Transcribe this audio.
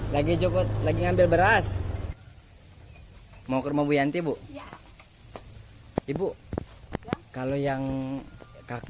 lagi jokot lagi ngambil berhas hai mau keacje t science ibu ibu kalau yang kakak